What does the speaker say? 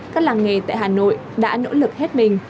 các làng nghề tại hà nội đã nỗ lực hết mình